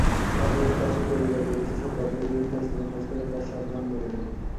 অপরেশ দাসের পরিবার বলেছে, সম্ভাব্য বিভিন্ন স্থানে খোঁজ করেও তাঁর সন্ধান মেলেনি।